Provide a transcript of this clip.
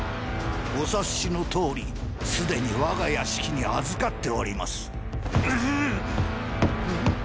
お察しのとおりすでに我が屋敷に預かっております。っ！！